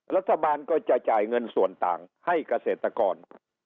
รัฐบาลก็จะจ่ายเงินส่วนต่างให้เกษตรกร